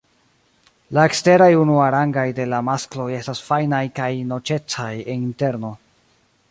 La eksteraj unuarangaj de la maskloj estas fajnaj kaj noĉecaj en interno.